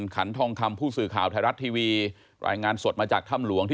ขันทองคำผู้สื่อข่าวไทยรัฐทีวีรายงานสดมาจากถ้ำหลวงที่